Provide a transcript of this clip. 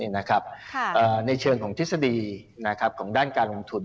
ในเชิงของทฤษฎีของด้านการลงทุน